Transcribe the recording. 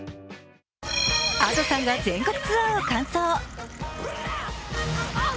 Ａｄｏさんが全国ツアーを完走。